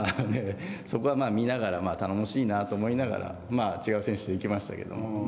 ただそこは見ながら、頼もしいなと思いながら違う選手で行きましたけれども。